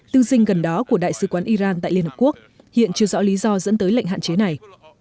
tư dinh gần đó của đại sứ quán iran tại liên hợp quốc hiện chưa rõ lý do dẫn tới lệnh hạn chế này